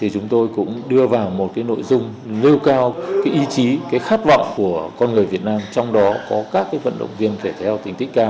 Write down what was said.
chúng tôi cũng đưa vào một nội dung nêu cao ý chí khát vọng của con người việt nam trong đó có các vận động viên thể theo tính tích cao